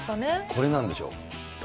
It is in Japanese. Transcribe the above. これなんでしょう？